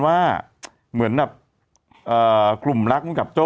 พี่หนุ่มเลยอ่ะ